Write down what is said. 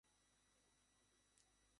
Till ছুড়লাম, লাঠি দিয়ে ভয় দেখলাম।